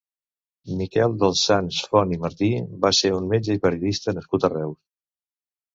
Miquel dels Sants Font i Martí va ser un metge i periodista nascut a Reus.